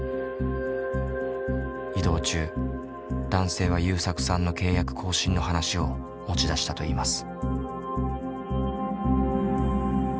移動中男性はゆうさくさんの契約更新の話を持ち出したといいます。